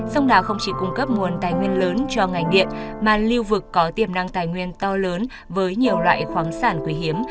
sông đà không chỉ cung cấp nguồn tài nguyên lớn cho ngành điện mà lưu vực có tiềm năng tài nguyên to lớn với nhiều loại khoáng sản quý hiếm